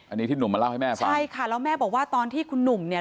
อันนี้ที่หนุ่มมาเล่าให้แม่ฟังใช่ค่ะแล้วแม่บอกว่าตอนที่คุณหนุ่มเนี่ย